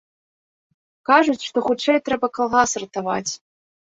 Кажуць, што хутчэй трэба калгас ратаваць.